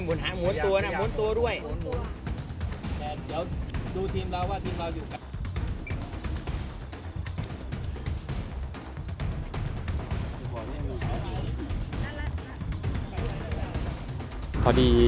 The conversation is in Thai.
พอดีพอดีพอดีพอดี